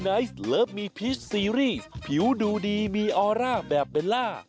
นางทำเพื่ออะไร